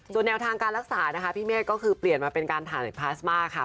ส่วนแนวทางการรักษานะคะพี่เมฆก็คือเปลี่ยนมาเป็นการถ่ายพลาสมาค่ะ